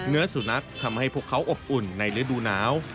เนื้อสุนัขทำให้พวกเขาอบอุ่นในฤดูหนาว